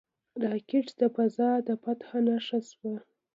راکټ د فضا د فاتح نښه شوه